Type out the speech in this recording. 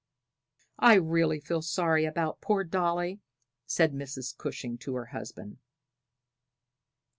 "I really feel sorry about poor little Dolly," said Mrs. Cushing to her husband.